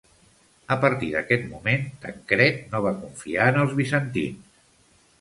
A partir d'aquest moment Tancred no va confiar en els bizantins.